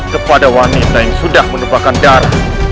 kepada wanita yang sudah melupakan darah